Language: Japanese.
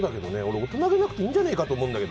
大人げなくていいんじゃないかなと思う。